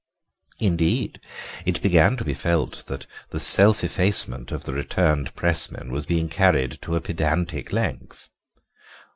Indeed, it began to be felt that the self effacement of the returned pressmen was being carried to a pedantic length.